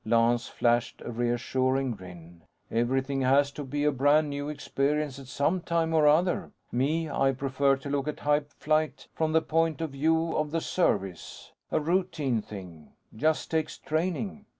Lance flashed a reassuring grin. "Everything has to be a brand new experience, at some time or other. Me, I prefer to look at hype flight from the point of view of the service. A routine thing. Just takes training.